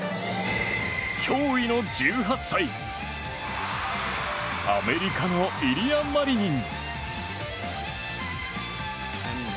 驚異の１８歳アメリカのイリア・マリニン。